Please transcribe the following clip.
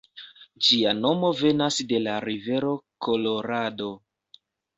Ĝia nomo venas de la rivero Kolorado.